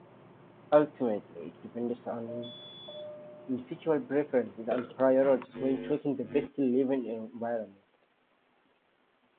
Ultimately, it depends on individual preferences and priorities when choosing the best living environment.